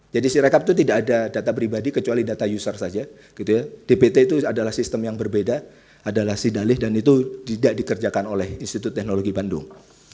jadi si rekap itu tidak ada data pribadi kecuali data user saja gitu ya dpt itu adalah sistem yang berbeda adalah sidalih dan itu tidak dikerjakan oleh institut teknologi bandung